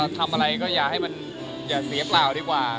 ทำอะไรก็อย่าเสียเปล่ากว่า